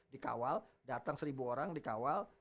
dikawal datang seribu orang dikawal